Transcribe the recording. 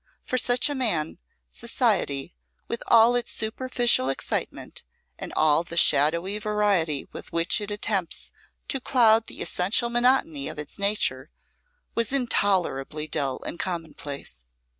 For such a man, society, with all its superficial excitement, and all the shadowy variety with which it attempts to cloud the essential monotony of its nature, was intolerably dull and commonplace.